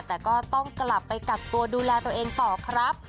แต่ก็ต้องกลับไปกักตัวดูแลตัวเองต่อครับ